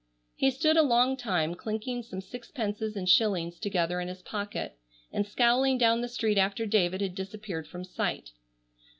He stood a long time clinking some sixpences and shillings together in his pocket, and scowling down the street after David had disappeared from sight.